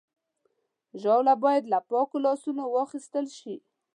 ژاوله باید له پاکو لاسونو واخیستل شي.